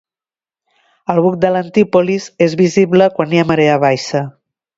El buc de l'Antipolis és visible quan hi ha marea baixa.